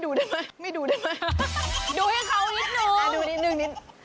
ดูให้เขาอีกนึง